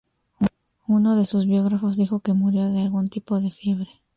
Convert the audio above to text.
Uno de sus biógrafos dijo que murió de algún tipo de fiebre.